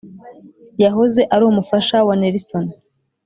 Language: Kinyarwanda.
yahoze ari umufasha wa Nelson